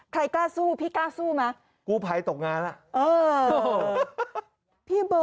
ใครกล้าสู้พี่กล้าสู้ไหม